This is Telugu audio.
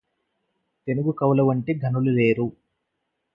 తెనుగు కవులవంటి ఘనులు లేరు